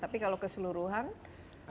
tapi kalau keseluruhan selama ini